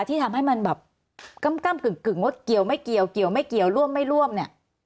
ที่ทำให้มันแบบกำกึ่งว่าเกี่ยวไม่เกี่ยวเกี่ยวไม่เกี่ยวร่วมไม่ร่วมเนี่ย